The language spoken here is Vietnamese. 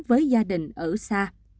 với gia đình ở xa